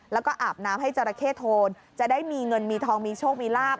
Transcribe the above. แล้วก็อาบน้ำให้จราเข้โทนจะได้มีเงินมีทองมีโชคมีลาบ